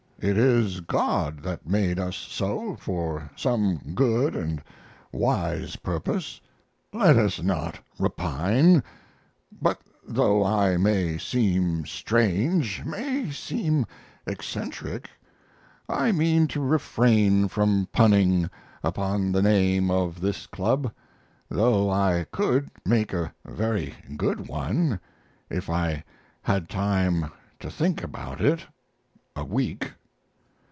It is God that made us so for some good and wise purpose. Let us not repine. But though I may seem strange, may seem eccentric, I mean to refrain from punning upon the name of this club, though I could make a very good one if I had time to think about it a week.